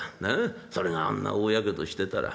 それがあんな大やけどをしてたら。